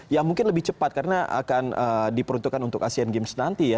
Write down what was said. ya mungkin lebih cepat karena akan diperuntukkan untuk asean games nanti ya